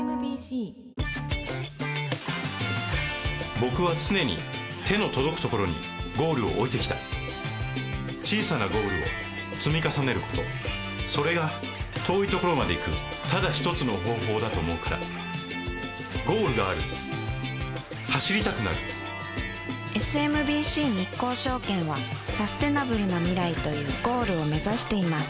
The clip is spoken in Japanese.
僕は常に手の届くところにゴールを置いてきた小さなゴールを積み重ねることそれが遠いところまで行くただ一つの方法だと思うからゴールがある走りたくなるＳＭＢＣ日興証券はサステナブルな未来というゴールを目指しています